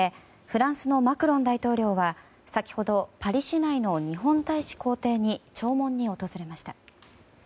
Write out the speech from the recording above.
フランスのマクロン大統領は先ほど、パリ市内の日本大使公邸に弔問に訪れました。